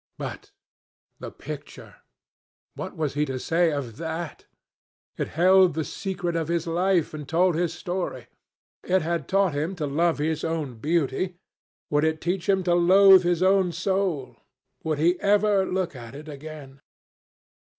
But the picture? What was he to say of that? It held the secret of his life, and told his story. It had taught him to love his own beauty. Would it teach him to loathe his own soul? Would he ever look at it again?